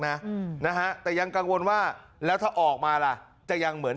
นะอืมนะฮะแต่ยังกังวลว่าแล้วถ้าออกมาล่ะจะยังเหมือน